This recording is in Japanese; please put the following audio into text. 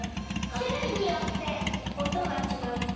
しゅるいによっておとがちがうっていう。